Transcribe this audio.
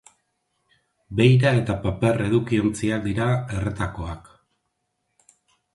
Beira eta paper edukiontziak dira erretakoak.